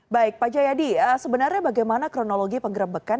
baik pak jayadi sebenarnya bagaimana kronologi penggerebekan